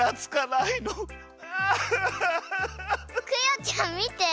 クヨちゃんみて！